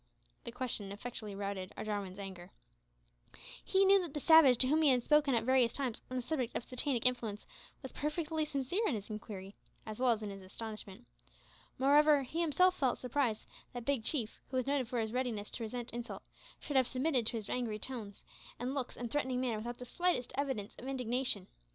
This question effectually routed Jarwin's anger. He knew that the savage, to whom he had spoken at various times on the subject of satanic influence, was perfectly sincere in his inquiry, as well as in his astonishment. Moreover, he himself felt surprised that Big Chief, who was noted for his readiness to resent insult, should have submitted to his angry tones and looks and threatening manner without the slightest evidence of indignation.